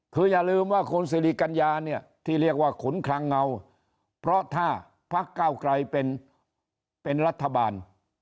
คืออย่าลืมว่าคุณสิริกัญญาเนี่ยที่เรียกว่าขุนคลังเงาเพราะถ้าพักเก้าไกรเป็นรัฐบาล